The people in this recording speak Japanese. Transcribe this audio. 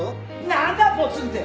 なんだ「ポツン」って！